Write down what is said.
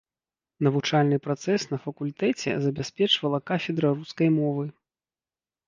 Навучальны працэс на факультэце забяспечвала кафедра рускай мовы.